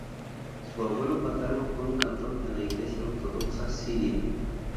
Su abuelo paterno fue un cantor en la Iglesia Ortodoxa Siria.